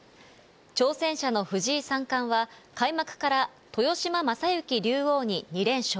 挑戦者の藤井三冠は、開幕から豊島将之竜王に２連勝。